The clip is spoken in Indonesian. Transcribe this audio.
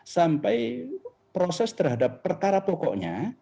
sampai proses terhadap perkara pokoknya